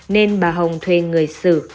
nên bà hồng thuê người xử